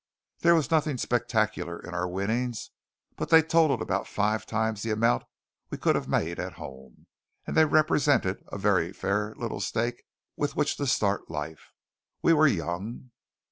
There was nothing spectacular in our winnings; but they totalled about five times the amount we could have made at home; and they represented a very fair little stake with which to start life. We were young.